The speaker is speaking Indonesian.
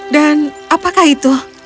dan apakah itu